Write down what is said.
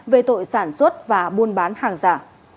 về tội sản xuất và buôn bán hàng giả